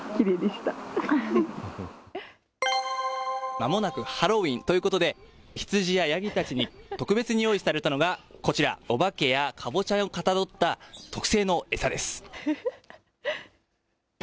まもなくハロウィーンということで、羊やヤギたちに特別に用意されたのがこちら、お化けやカボチャをかたどった特製の餌です。